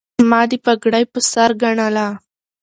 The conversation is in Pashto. ما دې پګړۍ په سر ګنله